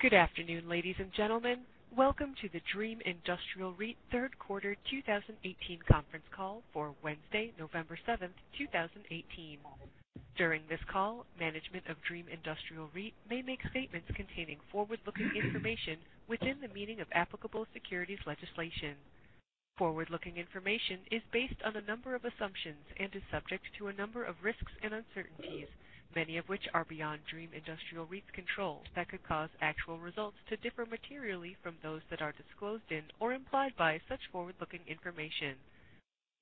Good afternoon, ladies and gentlemen. Welcome to the Dream Industrial REIT third quarter 2018 conference call for Wednesday, November 7th, 2018. During this call, management of Dream Industrial REIT may make statements containing forward-looking information within the meaning of applicable securities legislation. Forward-looking information is based on a number of assumptions and is subject to a number of risks and uncertainties, many of which are beyond Dream Industrial REIT's control that could cause actual results to differ materially from those that are disclosed in or implied by such forward-looking information.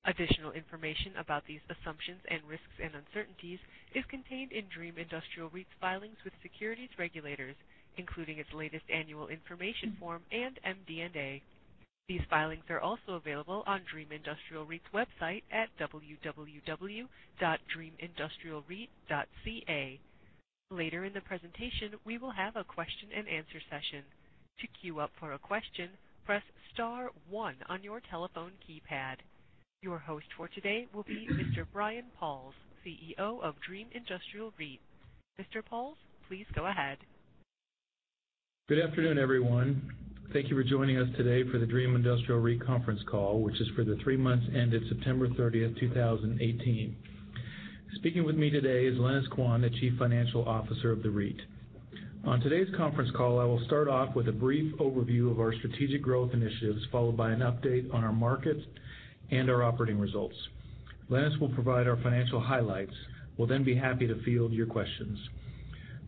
Additional information about these assumptions and risks and uncertainties is contained in Dream Industrial REIT's filings with securities regulators, including its latest annual information form and MD&A. These filings are also available on Dream Industrial REIT's website at www.dreamindustrialreit.ca. Later in the presentation, we will have a question and answer session. To queue up for a question, press *1 on your telephone keypad. Your host for today will be Mr. Brian Pauls, CEO of Dream Industrial REIT. Mr. Pauls, please go ahead. Good afternoon, everyone. Thank you for joining us today for the Dream Industrial REIT conference call, which is for the three months ended September 30th, 2018. Speaking with me today is Lenis Quan, the Chief Financial Officer of the REIT. On today's conference call, I will start off with a brief overview of our strategic growth initiatives, followed by an update on our markets and our operating results. Lenis will provide our financial highlights. We will then be happy to field your questions.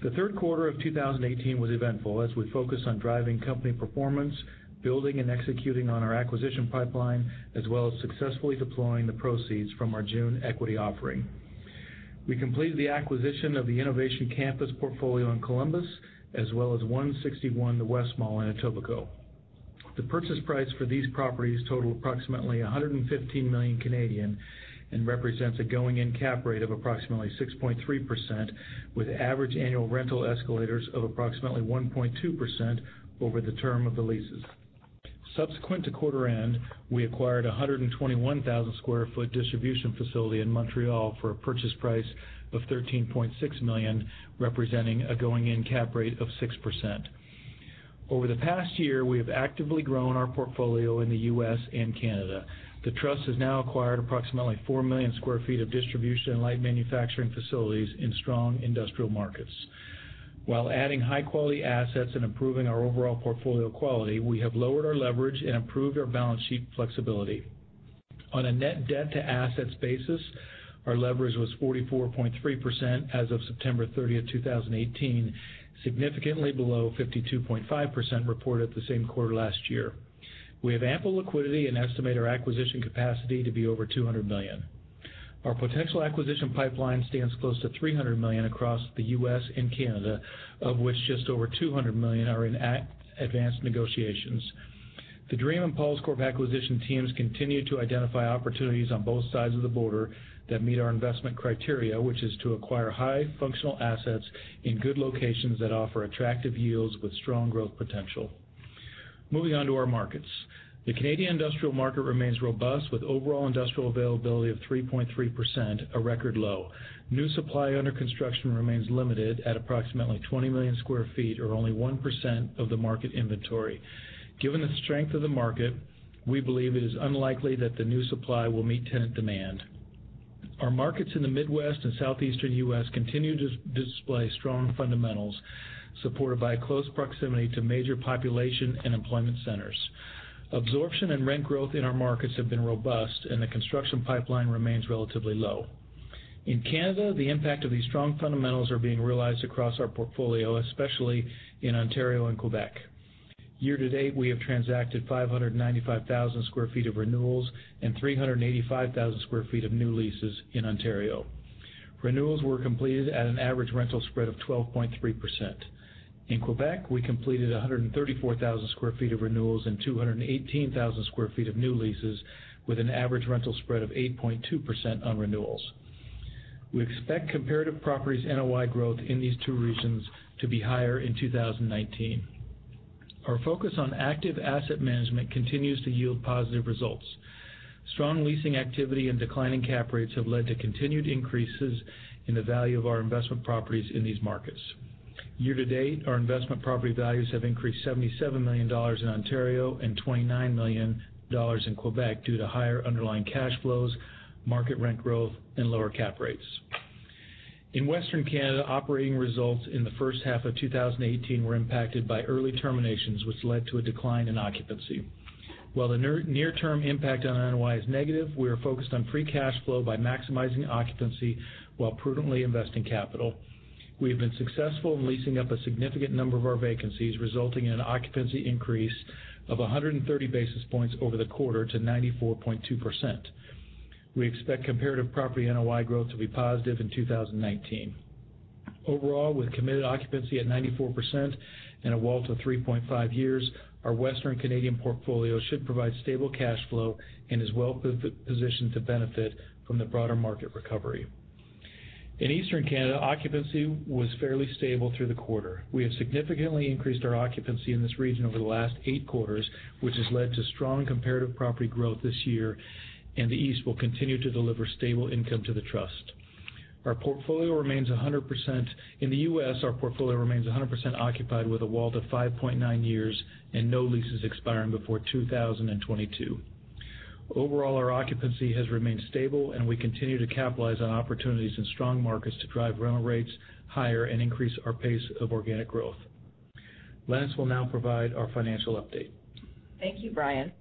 The third quarter of 2018 was eventful as we focus on driving company performance, building and executing on our acquisition pipeline, as well as successfully deploying the proceeds from our June equity offering. We completed the acquisition of the Innovation Campus portfolio in Columbus, as well as 161 The West Mall in Etobicoke. The purchase price for these properties total approximately 115 million, and represents a going-in cap rate of approximately 6.3%, with average annual rental escalators of approximately 1.2% over the term of the leases. Subsequent to quarter end, we acquired a 121,000 sq ft distribution facility in Montreal for a purchase price of 13.6 million, representing a going-in cap rate of 6%. Over the past year, we have actively grown our portfolio in the U.S. and Canada. The trust has now acquired approximately 4 million sq ft of distribution and light manufacturing facilities in strong industrial markets. While adding high-quality assets and improving our overall portfolio quality, we have lowered our leverage and improved our balance sheet flexibility. On a net debt to assets basis, our leverage was 44.3% as of September 30th, 2018, significantly below 52.5% reported the same quarter last year. We have ample liquidity and estimate our acquisition capacity to be over 200 million. Our potential acquisition pipeline stands close to 300 million across the U.S. and Canada, of which just over 200 million are in advanced negotiations. The Dream and PaulsCorp acquisition teams continue to identify opportunities on both sides of the border that meet our investment criteria, which is to acquire high functional assets in good locations that offer attractive yields with strong growth potential. Moving on to our markets. The Canadian industrial market remains robust with overall industrial availability of 3.3%, a record low. New supply under construction remains limited at approximately 20 million sq ft, or only 1% of the market inventory. Given the strength of the market, we believe it is unlikely that the new supply will meet tenant demand. Our markets in the Midwest and Southeastern U.S. continue to display strong fundamentals, supported by close proximity to major population and employment centers. Absorption and rent growth in our markets have been robust, and the construction pipeline remains relatively low. In Canada, the impact of these strong fundamentals are being realized across our portfolio, especially in Ontario and Quebec. Year to date, we have transacted 595,000 sq ft of renewals and 385,000 sq ft of new leases in Ontario. Renewals were completed at an average rental spread of 12.3%. In Quebec, we completed 134,000 sq ft of renewals and 218,000 sq ft of new leases with an average rental spread of 8.2% on renewals. We expect comparative properties NOI growth in these two regions to be higher in 2019. Our focus on active asset management continues to yield positive results. Strong leasing activity and declining cap rates have led to continued increases in the value of our investment properties in these markets. Year to date, our investment property values have increased 77 million dollars in Ontario and 29 million dollars in Quebec due to higher underlying cash flows, market rent growth, and lower cap rates. In Western Canada, operating results in the first half of 2018 were impacted by early terminations, which led to a decline in occupancy. While the near-term impact on NOI is negative, we are focused on free cash flow by maximizing occupancy while prudently investing capital. We have been successful in leasing up a significant number of our vacancies, resulting in an occupancy increase of 130 basis points over the quarter to 94.2%. We expect comparative property NOI growth to be positive in 2019. Overall, with committed occupancy at 94% and a WALT to 3.5 years, our western Canadian portfolio should provide stable cash flow and is well-positioned to benefit from the broader market recovery. In Eastern Canada, occupancy was fairly stable through the quarter. We have significantly increased our occupancy in this region over the last eight quarters, which has led to strong comparative property growth this year, and the East will continue to deliver stable income to the trust. Our portfolio remains 100% in the U.S., our portfolio remains 100% occupied with a WALT to 5.9 years and no leases expiring before 2022. Overall, our occupancy has remained stable, and we continue to capitalize on opportunities in strong markets to drive rental rates higher and increase our pace of organic growth. Lenis will now provide our financial update. Thank you, Brian.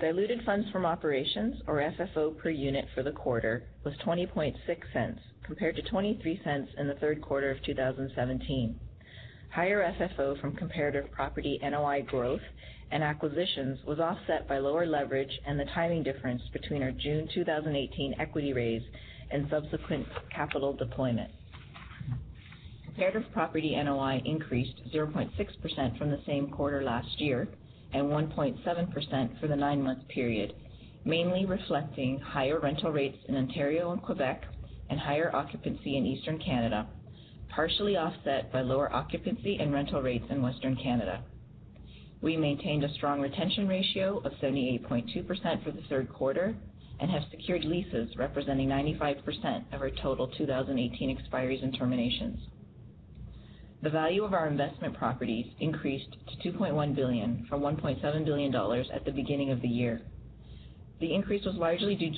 Diluted funds from operations, or FFO per unit for the quarter was 0.206 compared to 0.23 in the third quarter of 2017. Higher FFO from comparative property NOI growth and acquisitions was offset by lower leverage and the timing difference between our June 2018 equity raise and subsequent capital deployment. Comparative property NOI increased 0.6% from the same quarter last year and 1.7% for the nine-month period, mainly reflecting higher rental rates in Ontario and Quebec and higher occupancy in Eastern Canada, partially offset by lower occupancy and rental rates in Western Canada. We maintained a strong retention ratio of 78.2% for the third quarter and have secured leases representing 95% of our total 2018 expiries and terminations. The value of our investment properties increased to 2.1 billion from 1.7 billion dollars at the beginning of the year. The increase was largely due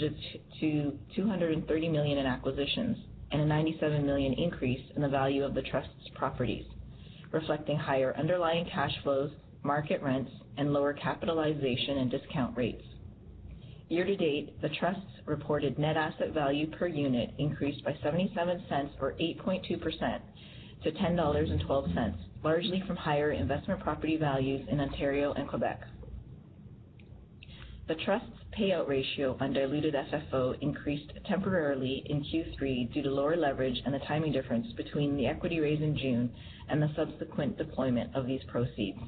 to 230 million in acquisitions and a 97 million increase in the value of the trust's properties, reflecting higher underlying cash flows, market rents, and lower capitalization and discount rates. Year to date, the trust's reported net asset value per unit increased by 0.77, or 8.2%, to 10.12 dollars, largely from higher investment property values in Ontario and Quebec. The trust's payout ratio on diluted FFO increased temporarily in Q3 due to lower leverage and the timing difference between the equity raise in June and the subsequent deployment of these proceeds.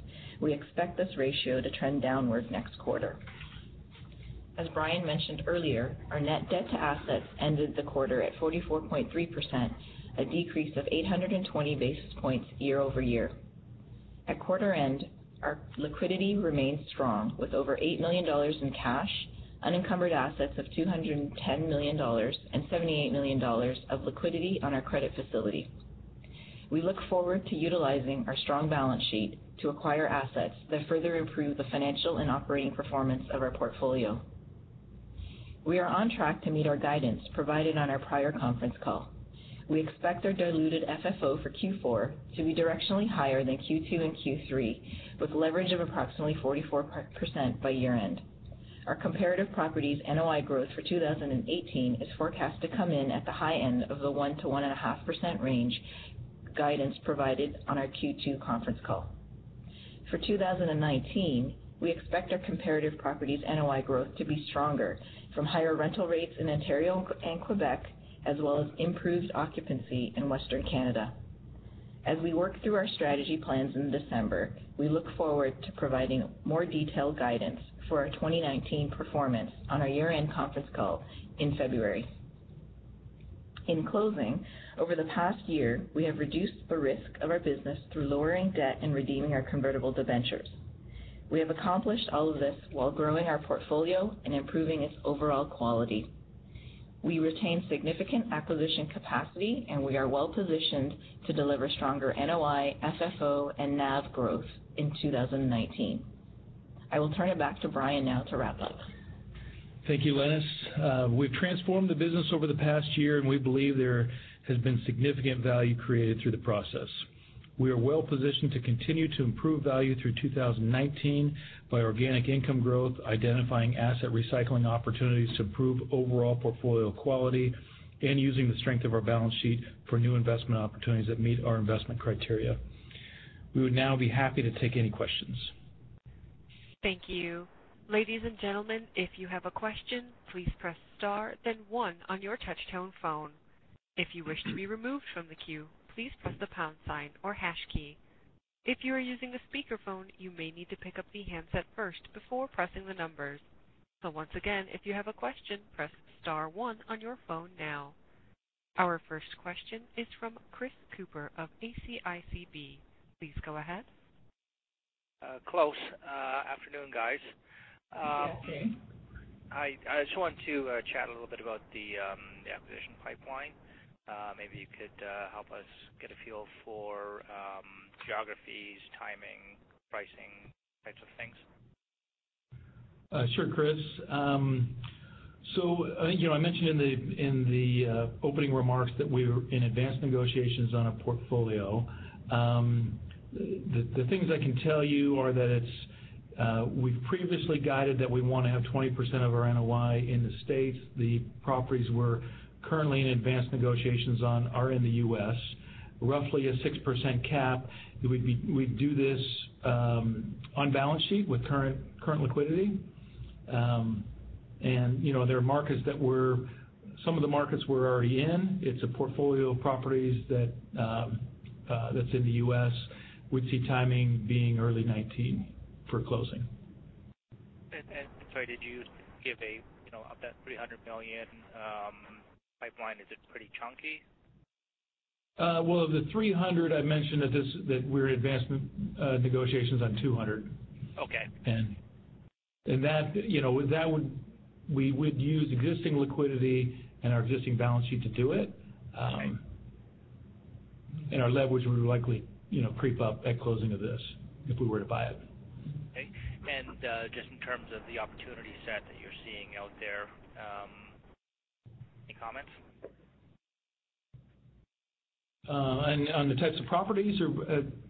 As Brian mentioned earlier, our net debt to assets ended the quarter at 44.3%, a decrease of 820 basis points year-over-year. At quarter end, our liquidity remains strong with over 8 million dollars in cash, unencumbered assets of 210 million dollars and 78 million dollars of liquidity on our credit facility. We look forward to utilizing our strong balance sheet to acquire assets that further improve the financial and operating performance of our portfolio. We are on track to meet our guidance provided on our prior conference call. We expect our diluted FFO for Q4 to be directionally higher than Q2 and Q3, with leverage of approximately 44% by year-end. Our comparative properties NOI growth for 2018 is forecast to come in at the high end of the 1%-1.5% range guidance provided on our Q2 conference call. For 2019, we expect our comparative properties NOI growth to be stronger from higher rental rates in Ontario and Quebec, as well as improved occupancy in Western Canada. As we work through our strategy plans in December, we look forward to providing more detailed guidance for our 2019 performance on our year-end conference call in February. In closing, over the past year, we have reduced the risk of our business through lowering debt and redeeming our convertible debentures. We have accomplished all of this while growing our portfolio and improving its overall quality. We retain significant acquisition capacity, and we are well-positioned to deliver stronger NOI, FFO, and NAV growth in 2019. I will turn it back to Brian now to wrap up. Thank you, Lenis. We've transformed the business over the past year, and we believe there has been significant value created through the process. We are well-positioned to continue to improve value through 2019 by organic income growth, identifying asset recycling opportunities to improve overall portfolio quality, and using the strength of our balance sheet for new investment opportunities that meet our investment criteria. We would now be happy to take any questions. Thank you. Ladies and gentlemen, if you have a question, please press star then one on your touch-tone phone. If you wish to be removed from the queue, please press the pound sign or hash key. If you are using a speakerphone, you may need to pick up the handset first before pressing the numbers. Once again, if you have a question, press star one on your phone now. Our first question is from Chris Couprie of CIBC. Please go ahead. Close. Afternoon, guys. Good afternoon. I just want to chat a little bit about the acquisition pipeline. Maybe you could help us get a feel for geographies, timing, pricing, types of things. Sure, Chris. I mentioned in the opening remarks that we're in advanced negotiations on a portfolio. The things I can tell you are that we've previously guided that we want to have 20% of our NOI in the U.S. The properties we're currently in advanced negotiations on are in the U.S., roughly a 6% cap. We'd do this on balance sheet with current liquidity. They're markets, some of the markets we're already in. It's a portfolio of properties that's in the U.S. We'd see timing being early 2019 for closing. Sorry, did you give of that 300 million pipeline, is it pretty chunky? Of the 300 million I mentioned, we're in advancement negotiations on 200 million. Okay. We would use existing liquidity and our existing balance sheet to do it. Okay. Our leverage would likely creep up at closing of this, if we were to buy it. Okay. Just in terms of the opportunity set that you're seeing out there, any comments? On the types of properties, or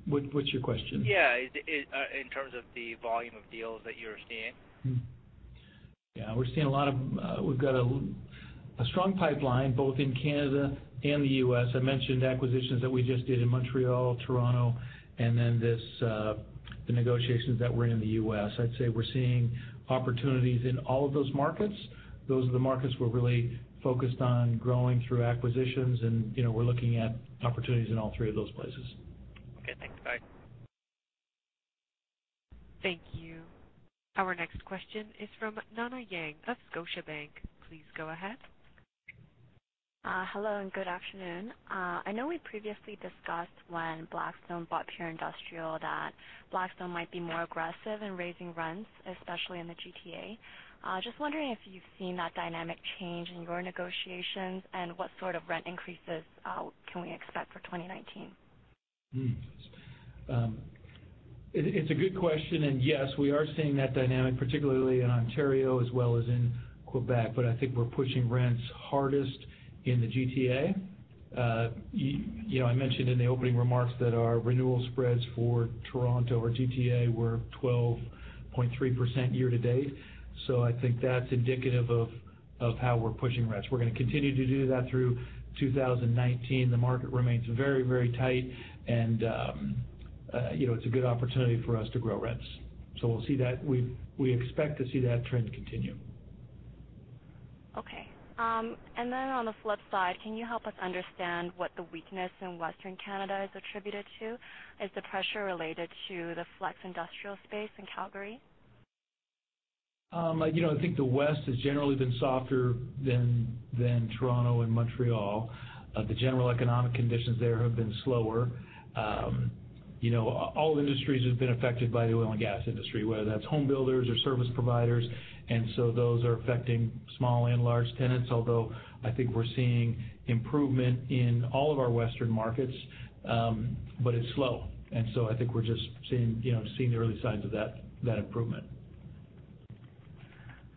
what's your question? Yeah. In terms of the volume of deals that you're seeing. Yeah. We've got a strong pipeline, both in Canada and the U.S. I mentioned acquisitions that we just did in Montreal, Toronto, and then the negotiations that we're in in the U.S. I'd say we're seeing opportunities in all of those markets. Those are the markets we're really focused on growing through acquisitions, and we're looking at opportunities in all three of those places. Okay. Thanks, guys. Thank you. Our next question is from Nana Yang of Scotiabank. Please go ahead. Hello, and good afternoon. I know we previously discussed when Blackstone bought Pure Industrial that Blackstone might be more aggressive in raising rents, especially in the GTA. Just wondering if you've seen that dynamic change in your negotiations, and what sort of rent increases can we expect for 2019? It's a good question. Yes, we are seeing that dynamic, particularly in Ontario as well as in Quebec. I think we're pushing rents hardest in the GTA. I mentioned in the opening remarks that our renewal spreads for Toronto or GTA were 12.3% year to date. I think that's indicative of how we're pushing rents. We're going to continue to do that through 2019. The market remains very tight, and it's a good opportunity for us to grow rents. We expect to see that trend continue. Okay. On the flip side, can you help us understand what the weakness in Western Canada is attributed to? Is the pressure related to the flex industrial space in Calgary? I think the West has generally been softer than Toronto and Montreal. The general economic conditions there have been slower. All industries have been affected by the oil and gas industry, whether that's home builders or service providers, those are affecting small and large tenants, although I think we're seeing improvement in all of our Western markets. It's slow. I think we're just seeing the early signs of that improvement.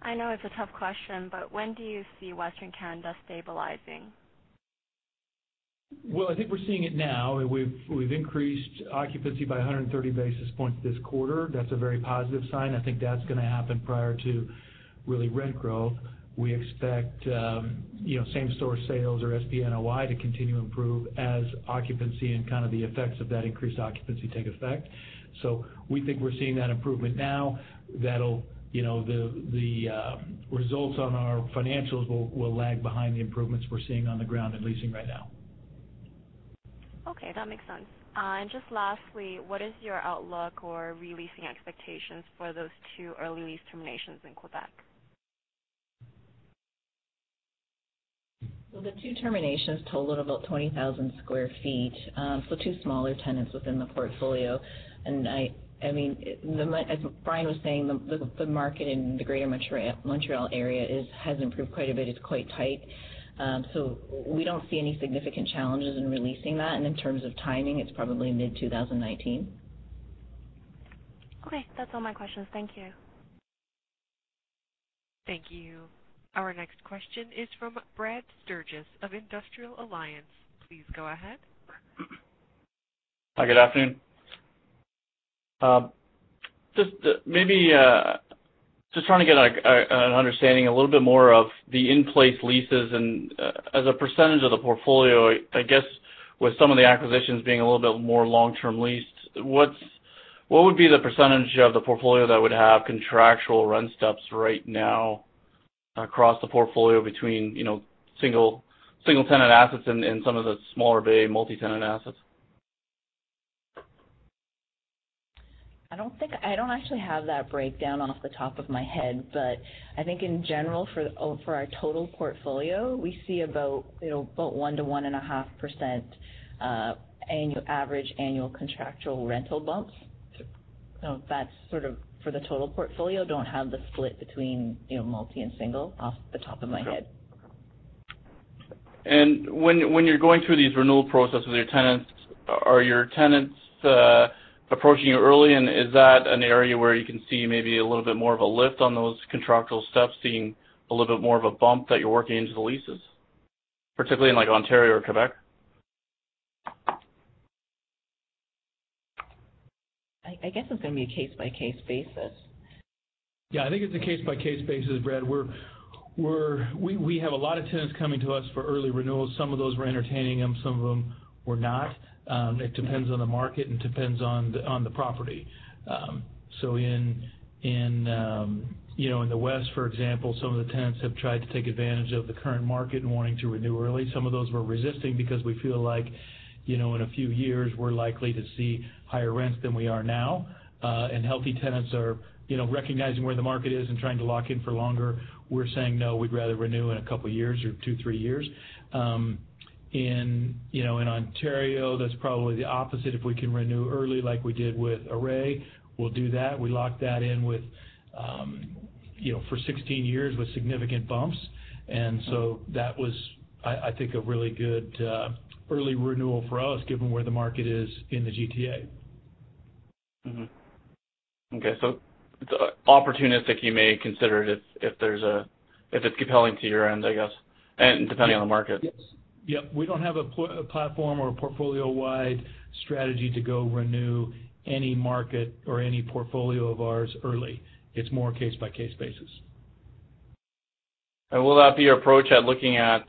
I know it's a tough question, when do you see Western Canada stabilizing? I think we're seeing it now. We've increased occupancy by 130 basis points this quarter. That's a very positive sign. I think that's going to happen prior to, really, rent growth. We expect same-store sales or SPNOI to continue to improve as occupancy and the effects of that increased occupancy take effect. We think we're seeing that improvement now. The results on our financials will lag behind the improvements we're seeing on the ground in leasing right now. Okay. That makes sense. Just lastly, what is your outlook or re-leasing expectations for those two early lease terminations in Quebec? The two terminations totaled about 20,000 sq ft. Two smaller tenants within the portfolio. As Brian was saying, the market in the greater Montreal area has improved quite a bit. It's quite tight. We don't see any significant challenges in re-leasing that. In terms of timing, it's probably mid-2019. Okay. That's all my questions. Thank you. Thank you. Our next question is from Brad Sturges of Industrial Alliance. Please go ahead. Good afternoon. Just trying to get an understanding a little bit more of the in-place leases, and as a percentage of the portfolio. I guess with some of the acquisitions being a little bit more long-term leased, what would be the percentage of the portfolio that would have contractual rent steps right now across the portfolio between single-tenant assets and some of the smaller bay multi-tenant assets? I don't actually have that breakdown off the top of my head, but I think in general, for our total portfolio, we see about 1%-1.5% average annual contractual rental bumps. That's for the total portfolio. Don't have the split between multi and single off the top of my head. When you're going through these renewal processes with your tenants, are your tenants approaching you early, and is that an area where you can see maybe a little bit more of a lift on those contractual steps, seeing a little bit more of a bump that you're working into the leases? Particularly in Ontario or Quebec. I guess it's going to be a case-by-case basis. Yeah, I think it's a case-by-case basis, Brad. We have a lot of tenants coming to us for early renewals. Some of those, we're entertaining them, some of them we're not. It depends on the market and depends on the property. In the West, for example, some of the tenants have tried to take advantage of the current market in wanting to renew early. Some of those we're resisting because we feel like in a few years, we're likely to see higher rents than we are now. Healthy tenants are recognizing where the market is and trying to lock in for longer. We're saying, no, we'd rather renew in a couple of years or two, three years. In Ontario, that's probably the opposite. If we can renew early like we did with Array, we'll do that. We locked that in for 16 years with significant bumps, that was, I think, a really good early renewal for us, given where the market is in the GTA. Okay, opportunistic, you may consider it if it's compelling to your end, I guess, and depending on the market. Yes. We don't have a platform or a portfolio-wide strategy to go renew any market or any portfolio of ours early. It's more case-by-case basis. Will that be your approach at looking at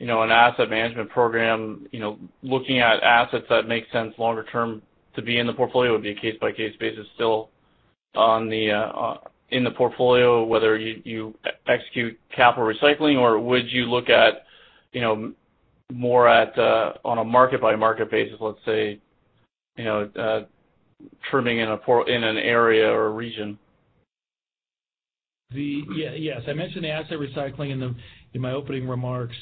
an asset management program, looking at assets that make sense longer term to be in the portfolio? Would it be a case-by-case basis still in the portfolio, whether you execute capital recycling, or would you look at more at on a market-by-market basis, let's say, trimming in an area or a region? Yes. I mentioned the asset recycling in my opening remarks.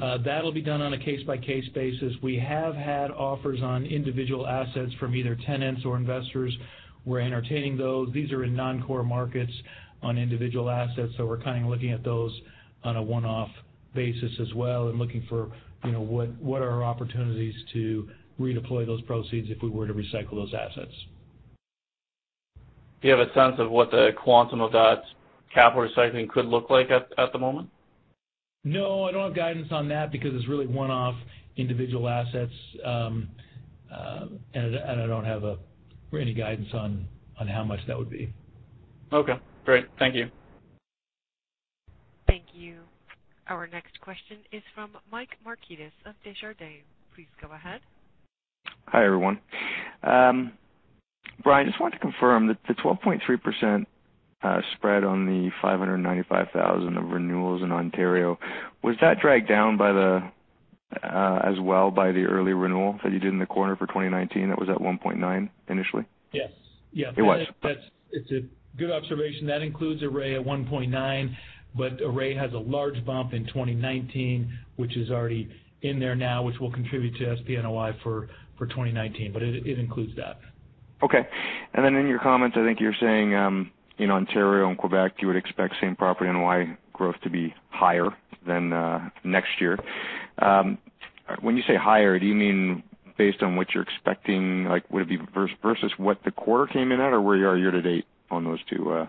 That'll be done on a case-by-case basis. We have had offers on individual assets from either tenants or investors. We're entertaining those. These are in non-core markets on individual assets, so we're kind of looking at those on a one-off basis as well and looking for what are our opportunities to redeploy those proceeds if we were to recycle those assets. Do you have a sense of what the quantum of that capital recycling could look like at the moment? No. I don't have guidance on that because it's really one-off individual assets. I don't have any guidance on how much that would be. Okay, great. Thank you. Thank you. Our next question is from Michael Markidis of Desjardins. Please go ahead. Hi, everyone. Brian, just wanted to confirm that the 12.3% spread on the 595,000 of renewals in Ontario, was that dragged down as well by the early renewal that you did in the quarter for 2019 that was at 1.9 initially? Yes. It was. It's a good observation. That includes Array at 1.9. Array has a large bump in 2019, which is already in there now, which will contribute to SPNOI for 2019. It includes that. Okay. In your comments, I think you're saying, in Ontario and Quebec, you would expect same property NOI growth to be higher than next year. When you say higher, do you mean based on what you're expecting, like, would it be versus what the quarter came in at, or where you are year-to-date on those two?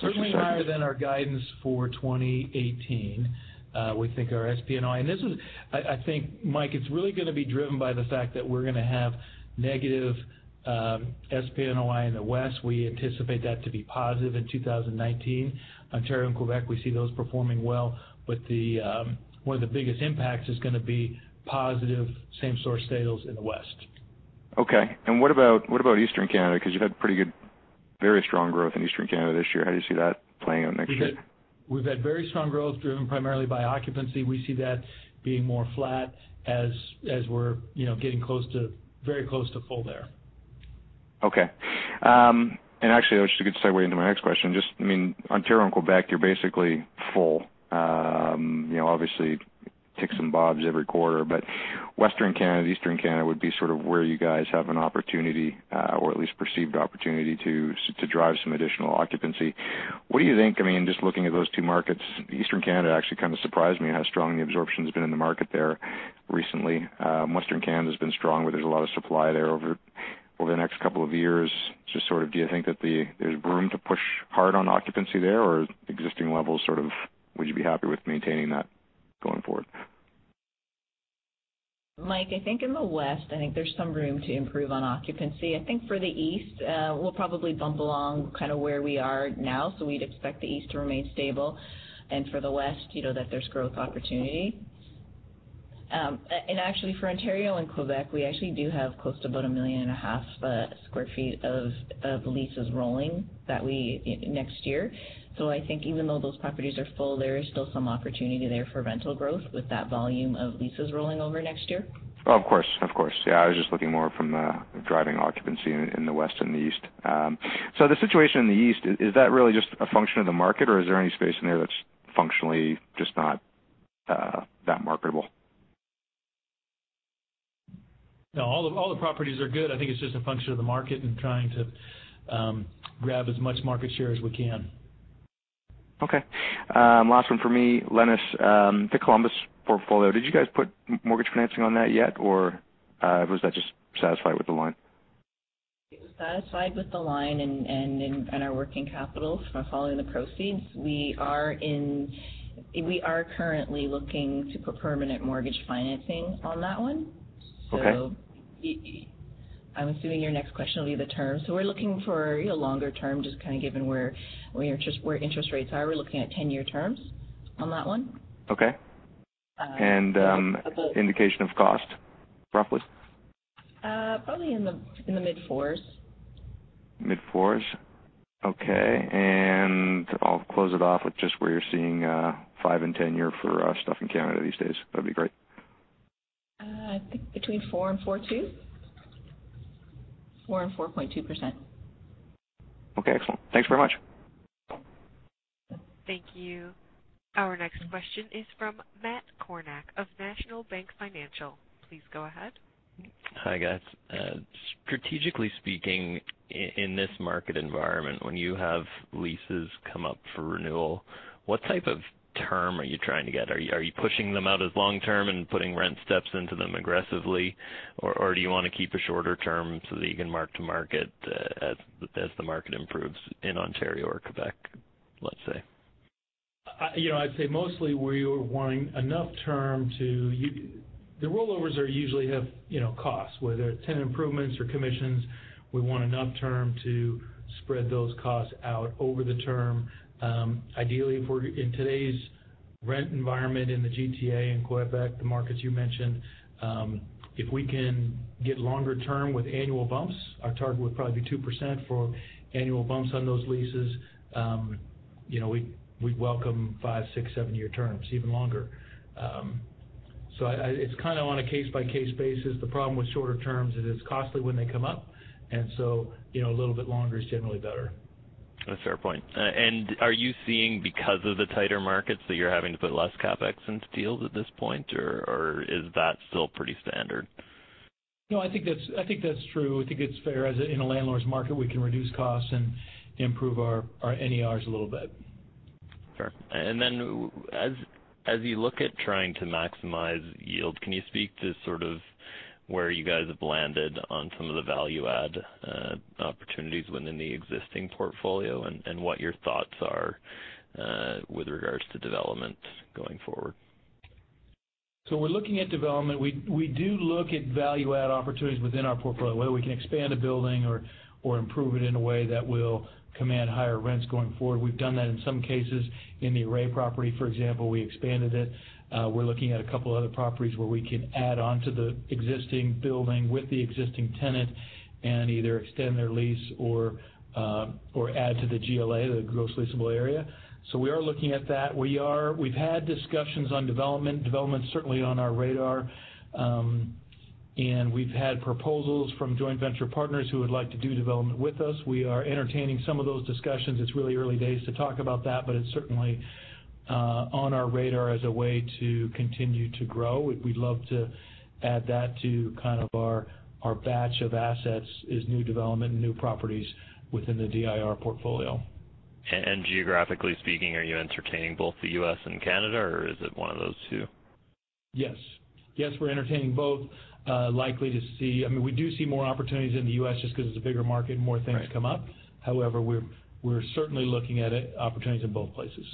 Certainly higher than our guidance for 2018. We think our SPNOI. This is, I think, Mike, it's really going to be driven by the fact that we're going to have negative SPNOI in the West. We anticipate that to be positive in 2019. Ontario and Quebec, we see those performing well. One of the biggest impacts is going to be positive same store sales in the West. Okay. What about Eastern Canada? Because you've had very strong growth in Eastern Canada this year. How do you see that playing out next year? We've had very strong growth driven primarily by occupancy. We see that being more flat as we're getting very close to full there. Okay. Actually, that's just a good segue into my next question. Just, Ontario and Quebec, you're basically full. Obviously, it ticks and bobs every quarter, Western Canada, Eastern Canada would be sort of where you guys have an opportunity, or at least perceived opportunity, to drive some additional occupancy. What do you think? Just looking at those two markets, Eastern Canada actually kind of surprised me how strong the absorption's been in the market there recently. Western Canada's been strong, where there's a lot of supply there over the next couple of years. Just sort of, do you think that there's room to push hard on occupancy there, or existing levels, sort of, would you be happy with maintaining that going forward? Michael, I think in the West, there's some room to improve on occupancy. I think for the East, we'll probably bump along kind of where we are now. We'd expect the East to remain stable. For the West, that there's growth opportunity. Actually for Ontario and Quebec, we actually do have close to about 1.5 million sq ft of leases rolling next year. I think even though those properties are full, there is still some opportunity there for rental growth with that volume of leases rolling over next year. Of course. Yeah, I was just looking more from the driving occupancy in the West and the East. The situation in the East, is that really just a function of the market, or is there any space in there that's functionally just not that marketable? No, all the properties are good. I think it's just a function of the market and trying to grab as much market share as we can. Okay. Last one from me. Lenis, the Columbus portfolio, did you guys put mortgage financing on that yet, or was that just satisfied with the line? It was satisfied with the line and our working capital from following the proceeds. We are currently looking to put permanent mortgage financing on that one. Okay. I'm assuming your next question will be the term. We're looking for a longer term, just kind of given where interest rates are. We're looking at 10-year terms on that one. Okay. Indication of cost, roughly? Probably in the mid-fours. Mid-fours? Okay. I'll close it off with just where you're seeing 5 and 10-year for stuff in Canada these days. That'd be great. I think between 4% and 4.2%. 4% and 4.2%. Okay, excellent. Thanks very much. Thank you. Our next question is from Matt Kornack of National Bank Financial. Please go ahead. Hi, guys. Strategically speaking, in this market environment, when you have leases come up for renewal, what type of term are you trying to get? Are you pushing them out as long-term and putting rent steps into them aggressively, or do you want to keep a shorter term so that you can mark to market as the market improves in Ontario or Quebec? Let's say. I'd say mostly we were wanting enough term. The rollovers usually have costs, whether tenant improvements or commissions. We want enough term to spread those costs out over the term. Ideally, in today's rent environment in the GTA and Quebec, the markets you mentioned, if we can get longer term with annual bumps, our target would probably be 2% for annual bumps on those leases. We'd welcome 5, 6, 7-year terms, even longer. It's kind of on a case-by-case basis. The problem with shorter terms is it's costly when they come up. A little bit longer is generally better. That's a fair point. Are you seeing, because of the tighter markets, that you're having to put less CapEx into deals at this point, or is that still pretty standard? No, I think that's true. I think it's fair. In a landlord's market, we can reduce costs and improve our NERs a little bit. Sure. As you look at trying to maximize yield, can you speak to sort of where you guys have landed on some of the value-add opportunities within the existing portfolio and what your thoughts are with regards to development going forward? We're looking at development. We do look at value-add opportunities within our portfolio, whether we can expand a building or improve it in a way that will command higher rents going forward. We've done that in some cases. In the Array property, for example, we expanded it. We're looking at a couple other properties where we can add onto the existing building with the existing tenant and either extend their lease or add to the GLA, the gross leasable area. We are looking at that. We've had discussions on development. Development's certainly on our radar. We've had proposals from joint venture partners who would like to do development with us. We are entertaining some of those discussions. It's really early days to talk about that, it's certainly on our radar as a way to continue to grow. We'd love to add that to kind of our batch of assets is new development and new properties within the DIR portfolio. Geographically speaking, are you entertaining both the U.S. and Canada, or is it one of those two? Yes. Yes, we're entertaining both. I mean, we do see more opportunities in the U.S. just because it's a bigger market, more things come up. Right. We're certainly looking at opportunities in both places.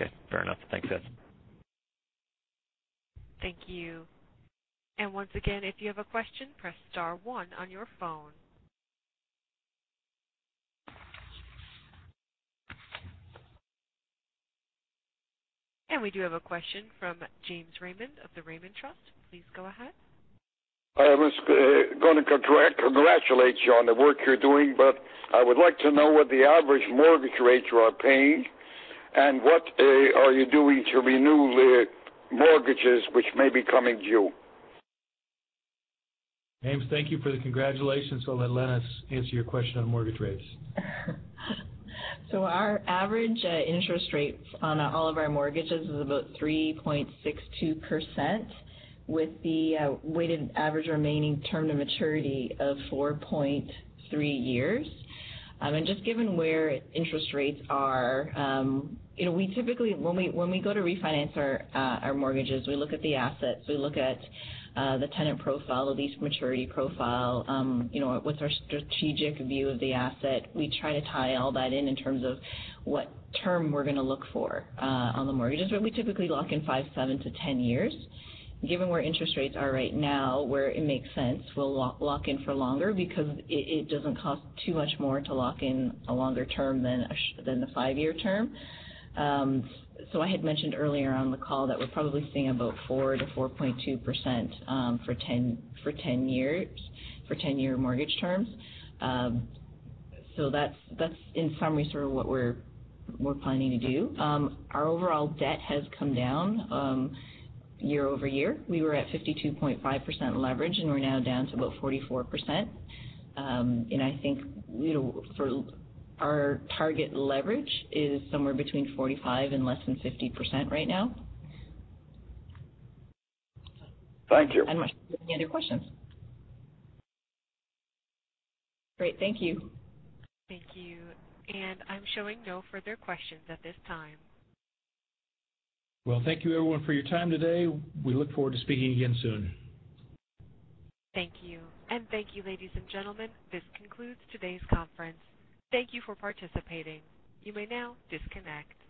Okay, fair enough. Thanks, Brian. Thank you. Once again, if you have a question, press star one on your phone. We do have a question from James Raymond of The Raymond Trust. Please go ahead. I was going to congratulate you on the work you're doing, but I would like to know what the average mortgage rates you are paying and what are you doing to renew the mortgages which may be coming due. James, thank you for the congratulations. I'll let Lenis answer your question on mortgage rates. Our average interest rates on all of our mortgages is about 3.62%, with the weighted average remaining term to maturity of 4.3 years. Just given where interest rates are, we typically, when we go to refinance our mortgages, we look at the assets, we look at the tenant profile, the lease maturity profile. What's our strategic view of the asset? We try to tie all that in terms of what term we're going to look for on the mortgages, where we typically lock in 5, 7 to 10 years. Given where interest rates are right now, where it makes sense, we'll lock in for longer because it doesn't cost too much more to lock in a longer term than the 5-year term. I had mentioned earlier on the call that we're probably seeing about 4%-4.2% for 10-year mortgage terms. That's, in summary, sort of what we're planning to do. Our overall debt has come down year-over-year. We were at 52.5% leverage, and we're now down to about 44%. I think our target leverage is somewhere between 45% and less than 50% right now. Thank you. I'm showing no other questions. Great. Thank you. Thank you. I'm showing no further questions at this time. Well, thank you everyone for your time today. We look forward to speaking again soon. Thank you. Thank you, ladies and gentlemen, this concludes today's conference. Thank you for participating. You may now disconnect.